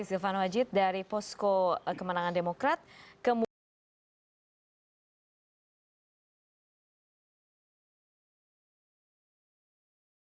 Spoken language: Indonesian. terima kasih silvano wajid dari posko kemenangan demokrat